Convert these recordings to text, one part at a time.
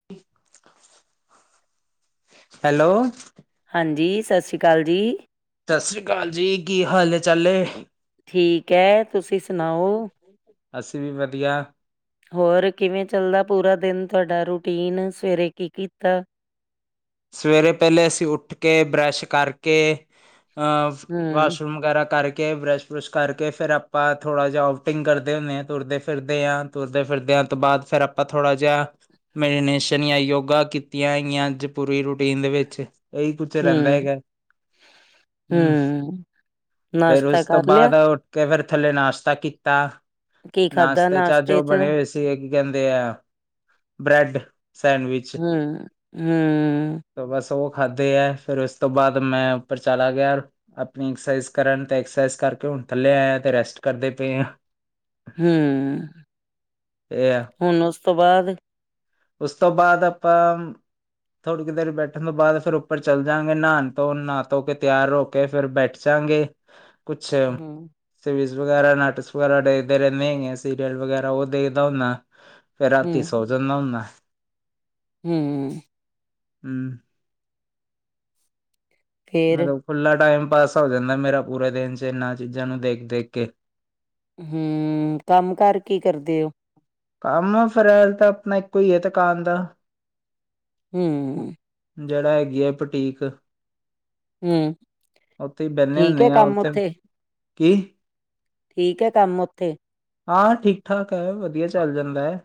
[unintelligible] Hello. ਹਾਂਜੀ ਸਤਿ ਸ਼੍ਰੀ ਅਕਾਲ ਜੀ। ਸਤਿ ਸ਼੍ਰੀ ਅਕਾਲ ਜੀ ਕੀ ਹਾਲ ਹੈ ਚਾਲੇ? ਠੀਕ ਹੈ ਤੁਸੀਂ ਸੁਣਾਓ? ਅਸੀਂ ਵੀ ਵਧੀਆ ਹੋਰ ਕਿਵੇਂ ਚੱਲਦਾ ਪੂਰਾ ਦਿਨ ਤੁਹਾਡਾ ਰੂਟੀਨ ਸਵੇਰੇ ਕੀ ਕੀਤਾ ਸਵੇਰੇ ਪਹਿਲੇ ਅਸੀਂ ਉੱਠ ਕੇ ਬਰੱਸ਼ ਕਰਕੇ ਹੂੰ, ਵਾਸ਼ਰੂਮ ਵਗੈਰਾ ਕਰਕੇ ਬਰੈਸ਼ ਕੁਸ਼ ਕਰਕੇ ਫਿਰ ਆਪਾਂ ਥੋੜ੍ਹਾ ਜਿਹਾ ਆਊਟਿੰਗ ਕਰਦੇ ਹੁੰਦੇ ਹਾਂ ਤੁਰਦੇ ਫਿਰਦੇ ਹਾਂ ਤੁਰਦੇ ਫਿਰਦਿਆਂ ਤੋਂ ਬਾਅਦ ਫਿਰ ਆਪਾਂ ਆਪਾਂ ਥੋੜਾ ਜਿਹਾ ਮੈਡੀਨੇਸ਼ਨ ਜਾਂ ਯੋਗਾ ਕੀਤੀਆਂਈਆਂ ਪੂਰੀ ਰੂਟੀਨ ਦੇ ਵਿੱਚ ਇਹੀ ਕੁਛ ਰਹਿੰਦਾ ਹੂੰ, ਹੈਗਾ ਹਮ ਹੂੰ। ਫੇਿਰ ਨਾਸ਼ਤਾ ਉਸ ਤੋਂ ਕਰ ਲਿਆ? ਬਾਅਦ ਕਈ ਵਾਰ ਥੱਲੇ ਨਾਸ਼ਤਾ ਕੀਤਾ ਨਾਸ਼ਤੇ ਚ ਅੱਜ ਉਹ ਬਣੇ ਹੋਏ ਸੀ ਕੀ ਕਹਿੰਦੇ ਆ ਬ੍ਰੈਡ ਸੈਂਡਵਿਚ ਹੂ ਹੂ ਤੇ ਬਸ ਉਹ ਖਾਧੇ ਹੈ ਫਿਰ ਉਸ ਤੋਂ ਬਾਅਦ ਮੈਂ ਉੱਪਰ ਚਲਾ ਗਿਆ ਆਪਣੀ ਐਕਸਰਸਾਈਜ਼ ਕਰਨ ਤੇ ਐਕਸਰਸਾਈਜ਼ ਕਰਕੇ ਹੁਣ ਥੱਲੇ ਆਇਆ ਤੇ ਰੈਸਟ ਕਰਦੇ ਪਏ ਹਾਂ ਹੂ ਇਹ ਆ ਹੁਣ ਉਸ ਤੋਂ ਬਾਅਦ ਉਸ ਤੋਂ ਬਾਅਦ ਆਪਾਂ ਥੋੜੀ ਕੁ ਦੇਰ ਬੈਠਣ ਤੋਂ ਬਾਅਦ ਫਿਰ ਉੱਪਰ ਚੱਲ ਜਾਂਗੇ ਨਹਾ ਧੋ ਨਹਾ ਧੋ ਕੇ ਤਿਆਰ ਰੋ ਕੇ ਫਿਰ ਬੈਠ ਜਾਗੇ ਕੁਛ ਹੂੰ, ਸਰੀਜ ਵਗੈਰਾ ਨਾਟਕਸ ਵਗੈਰਾ ਦੇਖਦੇ ਰਹਿੰਦੇ ਆ ਸੀਰੀਅਲ ਵਗੈਰਾ ਉਹ ਦੇਖਦਾ ਹੁੰਦਾ। ਫਿਰ ਰਾਤੀ ਸੋ ਜਾਂਦਾ ਹੁੰਦਾ। ਹੂ,,, ਹੂ,,, ਫੇਰ? ਮੈਂ ਉੱਪਰ ਦਾ ਟਾਈਮ ਪਾਸ ਹੋ ਜਾਂਦਾ ਮੇਰਾ ਪੂਰੇ ਦਿਨ ਚ ਇਹਨਾਂ ਚੀਜ਼ਾਂ ਨੂੰ ਦੇਖ-ਦੇਖ ਕੇ ਹੂ ਕੰਮ ਕਾਰ ਕੀ ਕਰਦੇ ਹੋ ਕੰਮ ਆ ਫਿਰ ਤਾਂ ਆਪਣਾ ਇੱਕੋ ਹੀ ਹੈ ਦੁਕਾਨ ਦਾ ਹੂ,,, ਜਿਹੜਾ ਹੈਗੀ ਹੈ ਬੁਟੀਕ ਹੂੰ। ਉੱਥੇ ਹੀ ਬਹਿੰਦੇ ਠੀਕ ਹੈ ਹੁੰਦੇ ਆ ਕੰਮ ਉੱਥੇ ਕੀ ਠੀਕ ਹੈ ਕੰਮ ਉੱਥੇ ਹਾਂ ਠੀਕ ਠਾਕ ਹੈ ਵਧੀਆ ਚੱਲ ਜਾਂਦਾ ਹੈ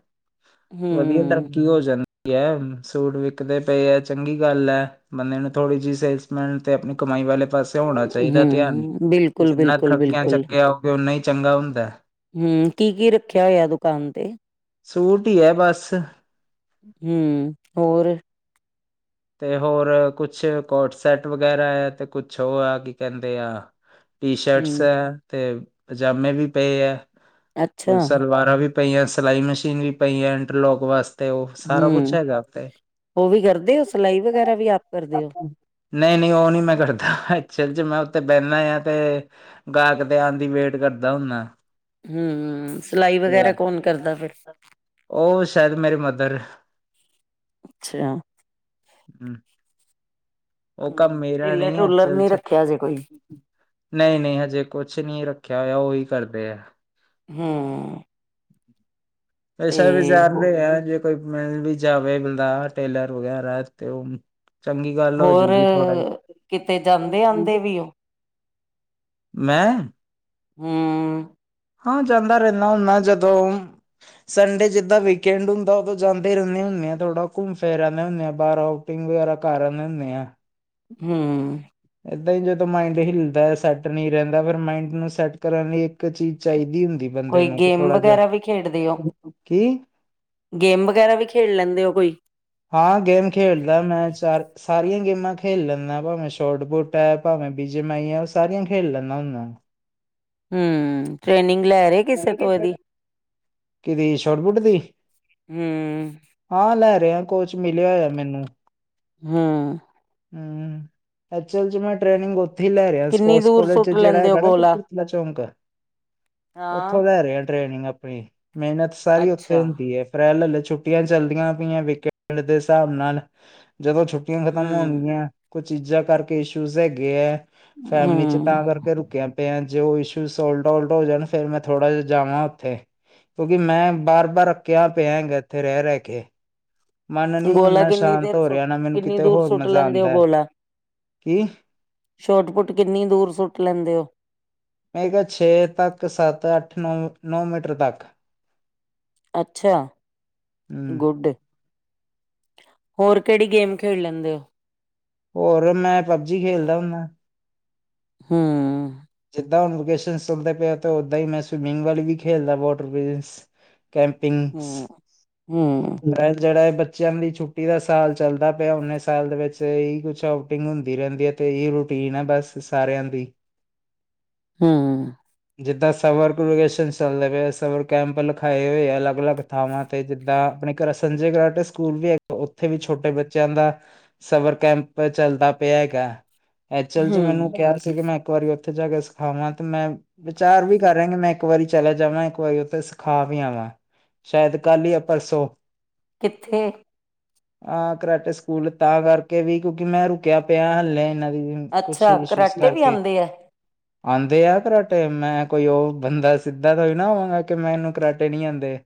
ਵਧੀਆ ਤਰਾਂ ਹੂੰ। ਕੀ ਹੋ ਜਾਂਦੀ ਹੈ ਸੂਟ ਵਿਕਦੇ ਪਏ ਹੈ ਚੰਗੀ ਗੱਲ ਹੈ ਬੰਦੇ ਨੂੰ ਥੋੜੀ ਜਿਹੀ ਸੇਲਸਮੈਨ ਤੇ ਆਪਣੀ ਕਮਾਈ ਵਾਲੇ ਪਾਸੇ ਹੋਣਾ ਚਾਹੀਦਾ ਧਿਆਨ ਹੂੰ, ਬਿਲਕੁਲ-ਬਿਲਕੁਲ, ਜਿੰਨਾ ਬਿਲਕੁਲ ਤਰਕੀਆਂ ਬਿਲਕੁਲ। ਅੱਗੇ ਹੋਵੇ ਓਨਾ ਹੀ ਚੰਗਾ ਹੁੰਦਾ ਹੂ ਕੀ-ਕੀ ਰੱਖਿਆ ਹੋਇਆ ਦੁਕਾਨ ਤੇ ਸੂਟ ਹੀ ਹੈ ਬਸ ਹੂ ਹੋਰ ਤੇ ਹੋਰ ਕੁਛ ਕੋਟ ਸੈਟ ਵਗੈਰਾ ਹੈ ਤੇ ਕੁਛ ਉਹ ਆ ਕੀ ਕਹਿੰਦੇ ਆ ਟੀ ਸ਼ਰਟਸ ਹੂੰ, ਹੈ ਤੇ ਪਜਾਮੇ ਵੀ ਪਏ ਹੈ ਕੁਝ ਅੱਛਾ ਸਲਵਾਰਾਂ ਵੀ ਪਈਆਂ ਸਿਲਾਈ ਮਸ਼ੀਨ ਵੀ ਪਈ ਆ ਇੰਟਰਲੋਕ ਵਾਸਤੇ ਉਹ ਸਾਰਾ ਕੁਛ ਹੂੰ, ਹੈਗਾ ਉੱਥੇ ਉਹ ਵੀ ਕਰਦੇ ਹੋ ਸਿਲਾਈ ਵਗੈਰਾ ਵੀ ਆਪ ਕਰਦੇ ਹੋ ਨਹੀਂ-ਨਹੀਂ ਉਹ ਨੀ ਮੈਂ ਕਰਦਾ ਚ ਚ ਮੈਂ ਉੱਥੇ ਬੈਂਦਾ ਆ ਤੇ ਗਾਹਕ ਤੇ ਆਉਣ ਦੀ ਵੇਟ ਕਰਦਾ ਹੁੰਦਾ ਹੂ ਸਿਲਾਈ ਵਗੈਰਾ ਕੌਣ ਕਰਦਾ ਫਿਰ ਉਹ ਸ਼ਾਇਦ ਮੇਰੇ ਮਦਰ ਅੱਛਾ ਹਮ ਉਹ ਕੰਮ ਹੂੰ, ਮੇਰਾ ਨਹੀਂ ਹੈ ਟੇਲਰ-ਟੂਲਰ ਚੱਲ ਨੀ ਸ ਰੱਖਿਆ ਜੇ ਕੋਈ? ਨਹੀਂ-ਨਹੀਂ ਹਜੇ ਕੁਛ ਨਹੀਂ ਰੱਖਿਆ ਹੋਇਆ ਉਹੀ ਕਰਦੇ ਹੈ ਹਮ ਪੈਸਾ ਵਿਚਜ਼ਾਰਦੇ ਹੋ ਆ ਜੇ ਕੋਈ ਮਿਲ ਵੀ ਜਾਵੇ ਬੰਦਾ ਟੇਲਰ ਵਗੈਰਾ ਤੇ ਉਹ ਚੰਗੀ ਗੱਲ ਹੋ ਹੋਰ ਜੂਗੀ ਥੋੜਾ ਕਿਤੇ ਜਾਂਦੇ-ਆਂਦੇ ਜਿ ਵੀ ਹੋ? ਮੈਂ ਹੂ,,, ਹਾਂ ਜਾਦਾ ਰਹਿਦਾ ਹੁੰਦਾ ਜਦੋ ਸੰਡੇ ਜਿਦਾ ਵੀਕਐਡ ਹੁੰਦਾ ਉਦੋ ਜਾਦੇ ਰਹਿਦੇ ਹੁਦੇ ਹਾਂ ਥੋੜਾ ਘੁੰਮ ਫਿਰ ਆਨੇ ਹੋਦੇ ਹਾਂ ਬਾਹਰ ਆਓ ਆਟਿੰਗ ਵਗੈਰਾ ਕਰ ਹੁੰਦੇ ਆ ਹੂ,,, ਏਦਾ ਹੀ ਜਦੋ ਮਾਇਡ ਹਿਲਦਾ ਹੈ। ਸੈਟ ਨਹੀ ਰਹਿਦਾ ਫਿਰ ਮਾਇਡ ਨੂੰ ਸੈਟ ਕਰਨ ਲਈ ਇਕ ਚੀਜ਼ ਚਾਹੀਦੀ ਹੁੰਦੀ ਬੰਦੇ ਕੋਈ ਨੂੰ ਕਿ ਗੇਮ ਥੋੜਾ ਜਿਹਾ ਵਗੈਰਾ ਵੀ ਖੇਡਦੇ ਹੋ। ਕੀ ਗੇਮ ਵਗੈਰਾ ਵੀ ਖੇਡ ਲੈਦੇ ਹੋ ਕੋਈ ਹਾਂ ਗੇਮ ਖੇਡਦਾ ਮੈ ਚਾਰ ਸਾਰੀਆਂ ਗੇਮਾਂ ਖੇਲ ਲੈਦਾ ਭਾਵੇਂ ਸ਼ੋਟਪੁਟ ਭਾਵੇ ਬੀਜੇ ਮੈਂ ਆ ਉਹ ਸਾਰੀਆਂ ਖੇਡ ਲੈਦਾ ਹੁਦਾ ਹਮ ਟ੍ਰੇਨਿਗ ਲੈ ਰਹੇ ਕਿਸੇ ਤੋ ਇਹਦੀ ਕਿਹਦੀ ਸ਼ੋਟਬੂਟ ਦੀ ਹੂ- ਹਾਂ ਲੈ ਰਹੇ ਆ ਕੋਚ ਮਿਲਿਆ ਹੋਇਆ ਮੈਨੂੰ ਹਮ ਹਮ ਐਚ ਐਲ ਚ ਮੈਂ ਟ੍ਰੇਨਿੰਗ ਹੋ ਲੈ ਰਿਹਾ ਕਿੰਨੀ ਸਪੋਰਟਸ ਦੂਰ ਕੋਾਲਜ ਸੁੱਟ ਚ ਜਿਹੜਾ ਲੈਂਦੇ ਹੋ ਹੈਗਾ ਨਾ ਗੋਲਾ? ਕਪੂਰਥਲਾ ਚੌਂਕ ਉੱਥੋਂ ਹਾਂ, ਲੈ ਰਹੇ ਆ ਟ੍ਰੇਨਿੰਗ ਆਪਣੀ ਮਿਹਨਤ ਸਾਰੀ ਉੱਥੇ ਅੱਛਾ ਹੁੰਦੀ ਹੈ ਅਪ੍ਰੈਲ ਛੁੱਟੀਆਂ ਚੱਲਦੀਆਂ ਪਈਆਂ ਵੀਕੈਂਡ ਦੇ ਹਿਸਾਬ ਨਾਲ ਜਦੋਂ ਛੁੱ ਰੁਕੀਆਂ ਖ਼ਤਮ ਹੂੰ। ਹੋਣਗੀਆਂ ਕੁਛ ਚੀਜ਼ਾਂ ਕਰਕੇ ਇਸ਼ੂਜ ਹੈਗੇ ਹੈ ਫੈਮਿਲੀ ਚ ਹੂੰ, ਤਾਂ ਕਰਕੇ ਕ ਪ ਜੇ ਉਹ ਇਸ਼ੂ ਸੋਲ ਹੋ ਜਾਣ ਫੇਿਰ ਮੈਂ ਥੋੜਾ ਜਿਹਾ ਜਾਵਾਂ ਉੱਥੇ ਕਿਉਕਿ ਮੈਂ ਬਾਰ- ਬਾਰ ਅਕਿਆ ਪਿਆਗਾ ਇਥੇ ਰਹਿ- ਰਹਿ ਕੇ ਮਨ ਨ ਗੋਲਾ ਓਨਾ ਕਿੰਨੀ ਸ਼ਾਤ ਦੇਰ ਹੋ ਸੁ ਰਿਹਾ ਨਾ ਮੈਨੂੰ ਕਿੰਨੀ ਕਿਤੇ ਦੂਰ ਹੋਰ ਸੁੱਟ ਮਜ਼ਾ ਲੈਂਦੇ ਹੋ ਆਉਦਾ ਹੈ। ਕੀ ਛੋਟ ਫੁਟ ਕਿਨੀ ਦੂਰ ਸੁਟ ਲੈਦੇ ਹੋ। ਮੈਂ ਕਿਹਾ ਛੇ ਤੱਕ ਸੱਤ ਅੱਠੌ ਨੌ ਮੀਟਰ ਤੱਕ ਅਛਾ ਹਮ ਗੁਡ ਹੋਰ ਕਿਹੜੀ ਗੇਮ ਖੇਡ ਲੈਦੇ ਹੋ। ਹੋਰ ਮੈਂ ਪਬਜੀ ਖੇਲਦਾ ਹੁੰਦਾ ਹੂ- ਜਿਦਾਂ ਹੁਣ ਵਕੇਸ਼ਨ ਚਲਦੇ ਪਏ ਉਦਾ ਹੀ ਮੈ ਸਵਿਮਿਗ ਵਾਲੀ ਵੀ ਖੇਡਦਾ ਵੋਟਰ ਕੈਂਪਿਗ ਹੂ- ਹੂ- ਜਿਹੜਾ ਬੱਚਿਆਂ ਦੀ ਛੁਟੀ ਦਾ ਸਾਲ ਚਲਦਾ ਪਿਆ ਨੇ ਸਾਲ ਦੇ ਵਿਚ ਇ ਕੁਛ ਆਊਟਿਗ ਹੁਦੀ ਰਹਿਦੀ ਹੈ। ਤੇ ਇਹ ਰੂਟੀਨ ਹੈ। ਬਸ ਸਾਰਿਆਂ ਦੀ ਹੂ ਜਿਦਾਂ ਸਵਰ ਵਕੇਸ਼ਨ ਚੱਲਦੇ ਪਏ ਸਵਰ ਕੈਪ ਲਿਖਾਏ ਹੋਏ ਆ ਅਲਗ- ਅਲਗ ਥਾਵਾ ਤੇ ਜਿਦਾ ਆਪਣੇ ਘਰ ਸੰਜੇ ਕਰਾਂਟ ਸਕੂਲ ਵੀ ਹੈ। ਉਥੇ ਵੀ ਛੋਟੇ ਬੱਚਿਆ ਦਾ ਸਬਰ ਕੈਂਪ ਚਲਦਾ ਪਿਆ ਹੈਗਾ ਐਚਲ ਜੀ ਹੂੰ। ਮੈਨੂੰ ਕਿਹਾ ਸੀ ਕਿ ਮੈਂ ਇਕ ਵਾਰੀ ਉਥੇ ਜਾ ਕੇ ਸਿਖਾਵਾ ਤੇ ਮੈ ਵਿਚਾਰ ਵੀ ਕਰ ਰਿਹਾ ਕਿ ਮੈ ਇਕ ਵਾਰੀ ਚਲਾ ਜਾਵਾ ਇਕ ਵਾਰੀ ਉਥੇ ਸਿਖਾ ਵੀ ਆਵਾ ਸ਼ਾਇਦ ਕਲ ਹੀ ਆ ਪਰਸੋ ਕਿਥੇ ਹਾਂ ਕਰੈਟ ਸਕੂਲ ਤਾਂ ਕਰਕੇ ਵੀ ਕਿਉਕਿ ਮੈ ਰੁਕਿਆ ਪਿਆ ਹਲੇ ਇਹਨਾ ਦੀ ਵੀ ਅਛਾ ਕਰਾਟੇ ਵੀ ਆਉਦੇ ਹੈ। ਆਉਦੇ ਆ ਕਰਾਟੇ ਮੈ ਕੋਈ ਉਹ ਬੰਦਾ ਸਿਧਾ ਤੋਈ ਨਾ ਆਵਾਗਾ ਕਿ ਮੈ ਇਹਨੂੰ ਕਰਾਟੇ ਨਹੀ ਆਉਦੇ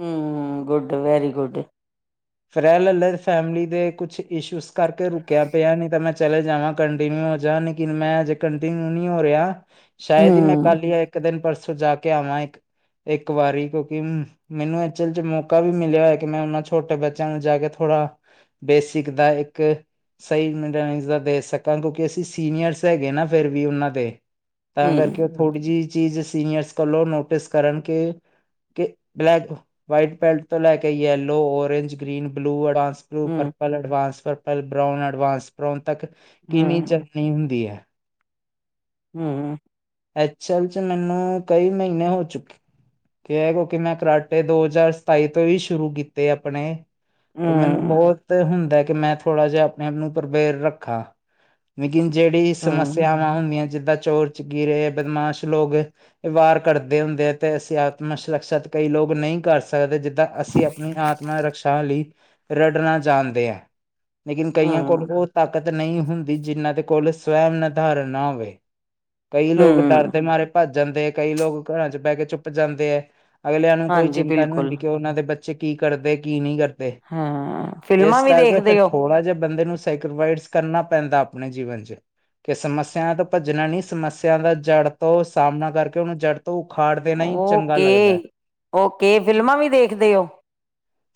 ਹੂ ਗੁਡ ਵੈਰੀ ਗੁਡ ਫਰੈਲ ਫੈਮਿਲੀ ਦੇ ਕੁਛ ਇਸ਼ੂਸ ਕਰਕੇ ਰੁਕਿਆ ਪਿਆ ਨੀ ਤਾਂ ਮੈ ਚਲੇ ਜਾਵਾ ਕੰਟੀਨਿਊ ਹੋ ਜਾ ਨੀ ਲੇਕਨ ਮੈ ਅਜ ਕੰਟੀਨਿਊ ਨਹੀ ਹੋ ਰਿਹਾ ਸ਼ਾਇਦ ਹੀ ਮੈ ਹੂੰ, ਕਲ ਹੀ ਇਕ ਦਿਨ ਪਰਸੋ ਜਾ ਕੇ ਆਵਾ ਇਕ ਇਕ ਵਾਰੀ ਕਿਉਕਿ ਮੈਨੂੰ ਇਚਲ ਜ ਮੋਕਾ ਵੀ ਮਿਲਿਆ ਹੋਇਆ ਕਿ ਮੈ ਉਹਨਾ ਛੋਟੇ ਬੱਚਿਆ ਨੂੰ ਜਾ ਕੇ ਥੋੜਾ ਬੇਸਿਕ ਦਾ ਇਕ ਸਹੀ ਮ ਦੇ ਸਕਾ ਕਿਉਕਿ ਅਸੀ ਸੀਨੀਅਰਸ ਹੈਗੇ ਨਾ ਫਿਰ ਵੀ ਉਹਨਾ ਦੇ ਤਾਂ ਕਰਕੇ। ਹੂੰ, ਕਿ ਬਲੈਕ ਵਾਈਟ ਪੈਟ। ਤੋਂ ਲੈ ਕੇ yellow orange green blue advance blue ਹੂੰ, purple. Advance purple brown advance brown ਤੱਕ ਕਿਨੀ ਹੂੰ, ਜਨੀ ਹੁੰਦੀ ਹੈ। ਹਮ। ਐਸਲ ਚ ਮੈਨੂੰ ਕਈ ਮਹੀਨੇ ਹੋ ਚੁੱਕੇ। ਕਿ ਕਿਉਂਕਿ ਮੈਂ ਕਰਾਟੇ ਦੋ ਹਜ਼ਾਰ ਸਤਾਈ ਤੋਂ ਹੀ ਸ਼ੁਰੂ ਕੀਤੇ ਆਪਣੇ। ਤੇ ਮੈਨੂੰ ਹੂੰ, ਬਹੁਤ ਹੁੰਦਾ ਕਿ ਮੈਂ ਥੋੜ੍ਹਾ ਜਿਹਾ ਆਪਣੇ ਆਪ ਨੂੰ ਪ੍ਰਪੇਰ ਰੱਖਾਂ। ਮੇਕਿਨ ਜਹੜੀ ਹੂੰ। ਸਮੱਸਿਆਵਾਂ ਹੁੰਦੀਆਂ ਜਿੱਦਾਂ ਚੋਰ ਚ ਗਿਰੇ ਬਦਮਾਸ਼ ਲੋਕਾਂ। ਵਾਰ ਘੱਟਦੇ ਹੁੰਦੇ ਆ ਤੇ ਅਸੀਂ ਆਤਮ ਸ਼ਸ਼ਅਤ ਕਈ ਲੋਕ ਨਹੀਂ ਕਰ ਸਕ। ਸਕਦੇ ਜਿੱਦਾਂ ਅਸੀਂ ਆਪਣੀ ਆਤਮਾ ਰਕਸ਼ਾ ਲਈ ਰੜਨਾ ਚਾਹਣਦੇ ਹਾਂ। ਲੇਕਿਨ ਕਈਆਂ ਕੋਲ ਹੂੰ, ਉਹ ਤਾਕਤ ਨਹੀਂ ਹੁੰਦੀ ਜਿਹਨਾਂ ਦੇ ਕੋਲ ਸਵਮ ਨਿਰਧਾਰਨ ਨਾ ਹੋਵੇ। ਕਈ ਲੋਕ ਡਰ ਹੂੰ, ਦੇ ਮਾਰੇ ਭੱਜ ਜਾਂਦੇ ਹੈ ਕਈ ਲੋਕ ਘਰਾਂ ਚ ਬਹਿ ਕੇ ਚੁੱਪ ਜਾਂਦੇ ਹੈ। ਅਗਲਿਆਂ ਨੂੰ ਕੋਈ ਹਾਂਜੀ ਚਿਤਾ ਨਹੀ ਬਿਲਕੁਲ ਹੁਦੀ ਕਿ ਉਹਨਾ ਦੇ ਬੱਚੇ ਕੀ ਕਰਦੇ ਕੀ ਨਹੀ ਕਰਦੇ ਹਾਂ ਫਿਲਮਾਂ ਇਸ ਵੀ ਕਰਕੇ ਫੇਰ ਦੇਖਦੇ ਹੋ ਥੋੜਾ ਜਿਹਾ ਬੰਦੇ ਨੂੰ ਕਰਨਾ ਪੈਦਾ ਆਪਣੇ ਜੀਵਨ 'ਚ ਕਿ ਸਮਸਿਆ ਤੋਂ ਭਜਣਾ ਨਹੀ ਸਮਸਿਆ ਦਾ ਜੜ ਤੋ ਸਾਹਮਣਾ ਕਰਕੇ ਉਹਨੂੰ ਜੜ ਉਖਾੜ ਦੇਣਾ ਹੀ ਚੰਗਾ ਲਗਦਾ ਓਕੇ। ਓਕੇ ਹੈ। ਫਿਲਮਾਂ ਵੀ ਦੇਖਦੇ ਹੋ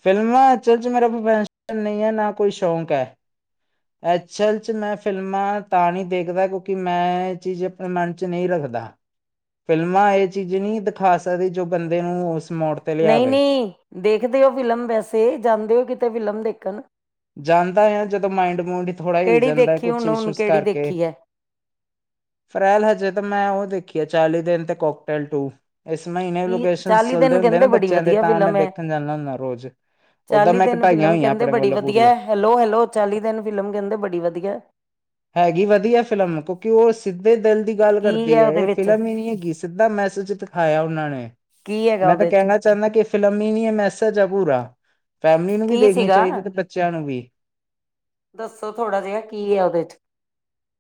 ਫਿਲਮਾ ਅਚਲ 'ਚ ਮੇਰਾ ਪ੍ਰਫੈਨ ਨਹੀ ਹੈ। ਨਾ ਕੋਈ ਸੋਕ ਹੈ। ਐਕਚਅਲ 'ਚ ਮੈਂ ਫਿਲਮਾਂ ਤਾਂ ਨਹੀਂ ਦੇਖਦਾ ਕਿਉਂਕਿ ਮੈਂ ਇਹ ਚੀਜ਼ ਆਪਣੇ ਮਨ 'ਚ ਨਹੀਂ ਰੱਖਦਾ। ਫਿਲਮਾਂ ਇਹ ਚੀਜ਼ ਨਹੀਂ ਦਿਖਾ ਸਕਦੀ ਜੋ ਬੰਦੇ ਨੂੰ ਉਸ ਮੌੜ। ਨਹੀਂ -ਨਹੀਂ ਦੇਖਦੇ ਹੋ ਫਿਲਮ ਵੈਸੇ ਜਾਂਦੇ ਹੋ ਕਿਤੇ ਫਿਲਮ ਦੇਖਣ। ਜਾਂਦਾ ਆ ਜਦੋਂ ਮਾਇੰਡ ਮੂੰਡ ਥੋੜ੍ਹਾ ਹਿਲ ਕਿਹੜੀ ਜਾਂਦਾ ਦੇਖੀ ਕੁਛ ਹੁਣ-ਹੁਣ ਇਸ਼ੂਜ਼ ਕਿਹੜੀ ਕਰਕੇ। ਦੇਖੀ ਹੈ। ਫਰੈਲ ਹਜੇ ਤਾਂ ਮੈਂ ਉਹ ਦੇਖੀ ਆ ਚਾਲੀ ਦਿਨ ਤੇ ਕੋਕਟੇਲ ਟੂ। ਇਸ ਮਹੀਨੇ ਕੀ ਲੋਕੇਸ਼ਨ ਚਾਲੀ ਚੱਲਦੇ ਦਿਨ ਹੁੰਦੇ ਨਾ ਕਹਿੰਦੇ ਬੜੀ ਬੱਚਿਆਂ ਦੇ ਵਧੀਆ ਤਾਂ ਮੈਂ ਫਿਲਮ ਹੈ। ਦੇਖਣ ਜਾਂਦਾ ਹੁੰਦਾ ਰੋਜ਼। ਓਦਾਂ ਚਾਲੀ ਮੈਂ ਦਿਨ ਘਟਾਈਆਂ ਫਿਲਮ ਹੋਈਆਂ ਕਹਿੰਦੇ ਆਪਣੇ ਬੜੀ ਵੱਲੋਂ ‌। ਵਧੀਆ ਹੈਲੋ- ਹੈਲੋ ਚਾਲੀ ਦਿਨ ਫਿਲਮ ਕਹਿੰਦੇ ਬੜੀ ਵਧੀਆ। ਹੈਗੀ ਵਧੀਆ ਫਿਲਮ ਕਿਉਂਕਿ ਉਹ ਸਿੱਧੇ ਦਿਲ ਦੀ ਗੱਲ ਕੀ ਕਰਦੀ ਹੈ ਉਹਦੇ ਇਹ ਵਿੱਚ ਫਿਲਮ ਹੀ। ਨਹੀਂ ਹੈਗੀ ਸਿੱਧਾ ਮੈਸੇਜ ਦਿਖਾਇਆ ਉਹਨਾਂ ਨੇ ਕੀ ਹੈਗਾ ਮੈਂ ਤਾਂ ਉਹਦੇ ਚ ਕਹਿਣਾ। ਚਾਹੁੰਦਾ ਕਿ ਫ਼ਿਲਮੀ ਨ ਇਹ ਮੈਸੇਜ ਆ ਪੂਰਾ ਫੈਮਿਲੀ ਨੂੰ ਵੀ ਕੀ ਦੇਖਣੀ ਸੀਗਾ। ਚਾਹੀਦੀ ਹੈ ਤੇ ਬੱਚਿਆਂ ਨੂੰ ਵੀ। ਦੱਸੋ ਥੋੜਾ ਜਿਹਾ ਕੀ ਹੈ ਉਹਦੇ ਚ।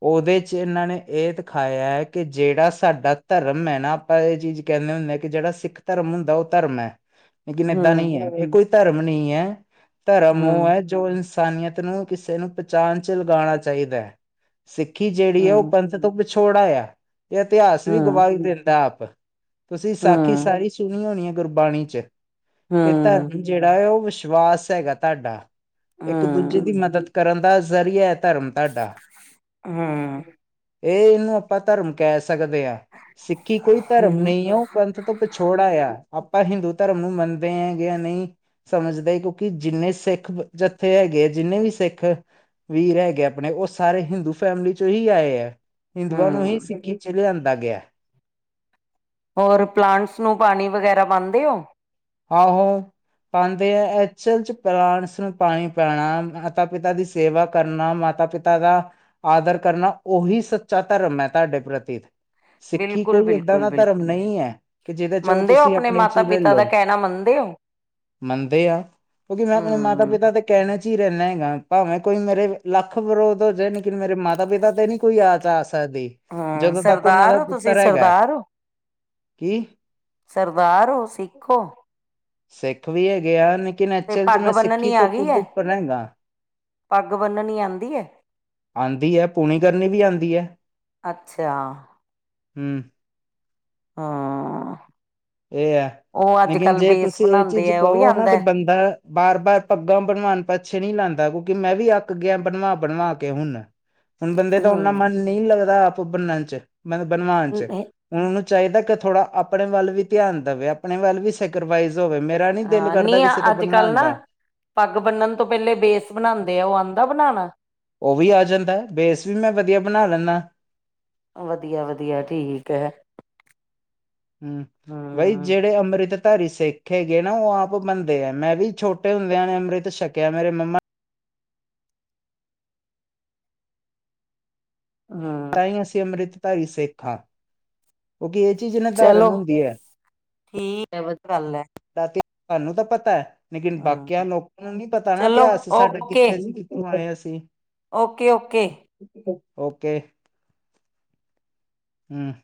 ਉਹਦੇ 'ਚ ਇਹਨਾਂ ਨੇ ਇਹ ਦਿਖਾਇਆ ਹੈ ਕਿ ਜਿਹੜਾ ਸਾਡਾ ਧਰਮ ਹੈ ਨਾ। ਆਪਾਂ ਇਹ ਚੀਜ਼ ਕਹਿੰਦੇ ਹੁੰਦੇ ਕਿ ਜਿਹੜਾ ਸਿੱਖ ਧਰਮ ਹੁੰਦਾ ਉਹ ਧਰਮ ਹੈ। ਲੇਕਿਨ ਏਦਾਂ ਹੂੰ, ਨਹੀਂ ਹੈ ਇਹ ਕੋਈ ਧਰਮ ਨਹੀਂ ਹੈ ਧਰਮ ਉਹ ਹੂੰ, ਹੈ। ਜੋ ਇਨਸਾਨੀਅਤ ਨੂੰ ਕਿਸੇ ਨੂੰ ਪਹਿਚਾਣ ਚ ਲਗਾਉਣਾ ਚਾਹੀਦਾ ਹੈ। ਸਿੱਖੀ ਜਿਹੜੀ ਆ ਉਹ ਹੂੰ, ਪੰਥ ਤੋਂ ਵਿਿਛੋੜਾ ਆ ਇਹ ਇਤਿਹਾਸ ਵੀ ਹੂੰ। ਗਵਾਈ ਦਿੰਦਾ ਆਪ। ਤੁਸੀਂ ਸਾਖੀ ਹੂੰ, ਸਾਰੀ ਸੁਣੀ ਹੋਣੀ ਹੈ ਗੁਰਬਾਣੀ ਚ ਹੂੰ, ਕਿ ਧਰਮਿਕ। ਜਿਹੜਾ ਹੈ ਉਹ ਵਿਸ਼ਵਾਸ ਹੈਗਾ ਤੁਹਾਡਾ ਹੂੰ, ਇੱਕ ਦੂਜੇ ਹੂੰ, ਦੀ ਮਦਦ ਕਰਨ ਦਾ ਜ਼ਰੀਆ ਹੈ ਧਰਮ ਤੁਹਾਡਾ। ਹਾਂ। ਇਹ ਇਹਨੂੰ ਆਪਾਂ ਧਰਮ ਕਹਿ ਸਕਦੇ ਹਾਂ ਸਿੱਖੀ ਕੋਈ ਧਰਮ ਹੂੰ, ਨਹੀਂ ਉਹ। ਪੰਥ ਤੋਂ ਪਿਛੋੜਾ ਆਯਾ, ਆਪਾਂ ਹਿੰਦੂ ਧਰਮ ਨੂੰ ਮੰਨਦੇ ਆਂ ਯਾ ਨਈ ਸਮਜਦੈ ਈ ਕੀ ਕਿਉ ਕਿ, ਜਿੰਨੇ ਸੇੱਖ ਬ ਜਥੇ ਹੈਗੇ ਆ ਜਿੰਨੇ ਵੀ ਸੇੱਖ ਵੀਰ ਹੈਗੇ ਆਪਣੇ ਓਸ ਸਾਰੇ ਹਿੰਦੂ ਫੈਮਲੀ ਚੋਂ ਹੀ ਆਏ ਐ, ਹਿੰਦੂਆਂ ਨੂੰ ਹੀ ਹੂੰ। ਸਿੱਖੀ ਚ ਲੇਆਂਦਾ ਗੇਆ। ਹੋਰ ਪਲਾਂਟਸ ਨੂੰ ਪਾਨੀ ਵਗੈਰਾ ਪਾਂਦੇ ਓ? ਆਹ ਹੋ। ਪਾਉਂਦੇ ਹੈ ਐਚਲ ਚ ਪਲਾਂਟਸ ਨੂੰ ਪਾਣੀ ਪੈਣਾ ਮਾਤਾ ਪਿਤਾ ਦੀ ਸੇਵਾ ਕਰਨਾ ਮਾਤਾ ਪਿਤਾ ਦਾ ਆਦਰ ਕਰਨਾ ਉਹੀ ਸੱਚਾ ਧਰਮ ਹੈ ਤੁਹਾਡੇ ਪ੍ਰਤੀ ਸਿੱਖੀ ਬਿਲਕੁਲ, ਕੋਈ ਏਦਾਂ ਬਿਲਕੁਲ, ਦਾ ਧਰਮ ਬਿਲਕੁਲ। ਨਹੀਂ ਹੈ ਕਿ ਜਿਹਦੇ ਚ ਉਹ ਮੰਨਦੇ ਓ ਤੁਸੀਂ ਆਪਣੇ ਚ ਮਾਤਾ ਹੀ ਲੈ ਪਿਤਾ ਦਾ ਲਓ ਕਹਿਣਾ ਮੰਨਦੇ ਓ? ਮੰਨਦੇ ਆ ਕਿਉਂਕਿ ਮੈਂ ਆਪਣੇ ਮਾਤਾ ਹੂੰ, ਪਿਤਾ ਦੇ ਕਹਿਣ ਚ ਹੀ ਰਹਿੰਦਾ ਹੈਗਾ ਭਾਵੇਂ ਕੋਈ ਮੇਰੇ ਲੱਖ ਵਿਰੋਧ ਹੋ ਜਾਏ ਲੇਕਿਨ ਮੇਰੇ ਮਾਤਾ ਪਿਤਾ ਤੇ ਨੀ ਕੋਈ ਆ ਤਾਂ ਆ ਸਕਦੀ ਹੂੰ ਜਦੋਂ ਤੱਕ ਉਹਨਾਂ ਦਾ ਸਰਦਾਰ ਓ ਤੁਸੀਂ ਪੁੱਤਰ ਹੈਗਾ ਸਰਦਾਰ ਓ? ਕੀ ਸਰਦਾਰ ਹੋ ਸਿੱਖ ਹੋ ਸਿੱਖ ਵੀ ਹੈਗੇ ਆ ਲੇਕਿਨ ਤੇ ਐਚਲ ਚ ਪੱਗ ਮੈਂ ਸਿੱਖੀ ਬੰਨਣੀ ਆ ਤੋਂ ਗਈ ਕੁੱਦ ਐ? ਉੱਪਰ ਹੈਗਾ ਪੱਗ ਬੰਨਣੀ ਆਉਂਦੀ ਹੈ ਆਉਂਦੀ ਹੈ ਪੂਣੀ ਕਰਨੀ ਵੀ ਆਉਂਦੀ ਹੈ ਅੱਛਾ ਹਮ ਹਾਂ ਏ ਐ, ਉਹ ਅੱਜ ਲੇਕਿਨ ਕੱਲ੍ਹ ਜੇ ਬੇਸ ਤੁਸੀ ਏ ਚੀਜ ਬਣਾਂਦੇ ਆ ਉਹ ਵੀ ਕਵੋ ਨਾ ਤੇ ਆਂਦਾ? ਬੰਦਾ ਬਾਰ, ਬਾਰ ਪੱਗਾਂ ਬਨਵਾਨ ਪਾਛੇ ਨਈ ਲੈਂਦਾ ਕਿਉਂਕਿ ਮੈਂ ਵੀ ਆੱਕ ਗੇਆ ਬਨਵਾ, ਬਨਵਾ ਕੇ ਹੁਨ ਹੁਨ ਬੰਦੇ ਦਾ ਉਨਾ ਮਨ ਹੂੰ ਨਈ ਲੱਗਦਾ, ਆਪ ਬਨਨ ਚ ਬ ਬਨਵਾਨ ਚ ਹਨ ਊਨੂੰ ਚਾਈਦਾ ਕ ਥੋੜਾ ਆਪਣੇ ਵੱਲ ਵੀ ਧੇਆਨ ਦੇਵੇ, ਆਪਣੇ ਵੱਲ ਵੀ ਸੈਕਰੀਫਾਈਜ਼ ਹੋਵੇ ਮੇ ਮੇਰਾ ਨੀ ਦਿਲ ਕਰਦਾ ਕਿਸੇ ਤੋਂ ਬਨਵਾਨ ਦਾ। ਪਾੱਗ ਬੰਨਨ ਤੋਂ ਪੇਲੇ ਬੇਸ ਬਣਾਂਦੇ ਆ, ਓ ਆਂਦੈ ਬਨਾਨਾ? ਓ ਵੀ ਆ ਜਾਂਦੈ ਬੇਸ ਵੀ ਮੈਂ ਵਦੀਆ ਬਨਾ ਲੈਂਨੈ। ਵਦੀਆ, ਵਦੀਆ ਠੀਕ ਐ। ਵਈ ਜੇੜੇ ਅੰਮ੍ਰਿਤ ਧਾਰੀ ਸਿੱਖ ਹੈਗੇ ਨਾ, ਓ ਆਪ ਬਨਦੇ ਐ, ਮੈਂ ਵੀ ਛੋਟੇ ਹੁੰਦੇਆਂ ਨੇ ਅੰਮ੍ਰਿਤ ਛਕੇਆ ਮੇਰੇ ਮੰਮਾ ਹੂੰ। ਤਾਂ ਅਸੀਂ ਅੰਮ੍ਰਿਤਧਾਰੀ ਸਿੱਖ ਆਂ, ਕੇਓਕਿ ਏ ਚੀਜ ਨਾ ਧਾਰਨ ਚਲੋ ਹੁੰਦੀ ਐ। ਠੀਕ ਐ, ਵਦ ਗੱਲ ਐ। ਇਤਿਹਾਸ ਸਾਨੂੰ ਤਾਂ ਪਤੈ, ਲੇਕਿਨ ਹਮ ਬਾਕੀਆਂ ਲੋਕਾਂ ਨੂੰ ਨੀ ਪਤਾ ਨਾ ਚਲੋ ਇਤਿਹਾਸ ਸਾਡਾ ਓਕੇ ਕਿੱਥੇ ਸੀ ਆਏ ਅਸੀ- ਓਕੇ, ਓਕੇ। ਓਕੇ। ਹੂੰ।